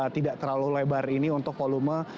tidak terlalu lebar ini untuk volume